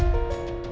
aku mau pergi